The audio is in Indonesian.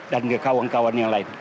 dan ke kawan kawan yang lain